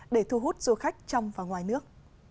để thu hút du khách trong và ngoài nước